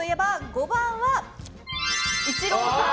５番はイチローさん。